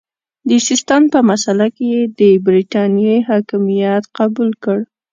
د سیستان په مسئله کې یې د برټانیې حکمیت قبول کړ.